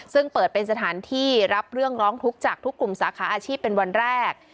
ซึ่งเปิดเป็นสถานที่รับเรื่องร้องทุกข์จากทุกกลุ่มสาขาอาชีพเป็นวันแรก